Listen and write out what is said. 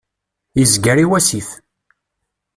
Yezger i wasif.